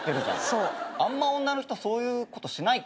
あんま女の人そういうことしないから。